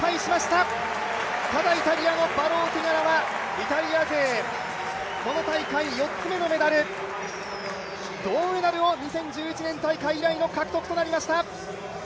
ただイタリアのバローティガライタリア勢この大会４つ目のメダル銅メダルを２０１１年大会以来の獲得となりました。